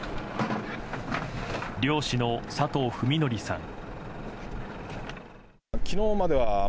漁師の佐藤文紀さん。